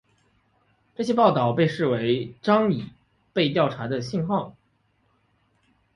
这些报道被视为张已被调查的信号。